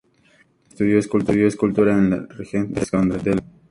Estudió escultura en la Regent Street Polytechnic de Londres.